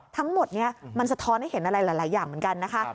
ทั้งหมดนี้มันสะท้อนให้เห็นอะไรหลายอย่างเหมือนกันนะคะ